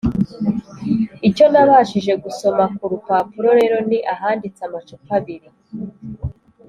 icyo nabashije gusoma ku rupapuro rero ni ahanditse amacupa abiri,